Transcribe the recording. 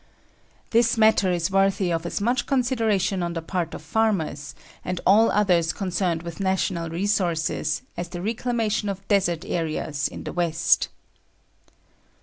This matter is worthy of as much consideration on the part of farmers, and all others concerned with national resources, as the reclamation of desert areas in the West.